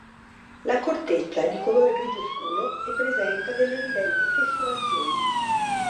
La corteccia è di colore grigio scuro e presenta delle evidenti fessurazioni.